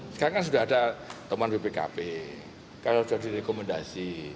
sekarang kan sudah ada temuan bpkp kalau sudah direkomendasi